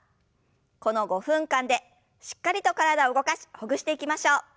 この５分間でしっかりと体を動かしほぐしていきましょう。